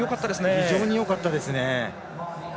非常によかったですね。